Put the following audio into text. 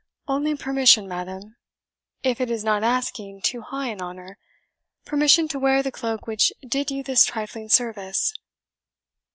"Only permission, madam if it is not asking too high an honour permission to wear the cloak which did you this trifling service."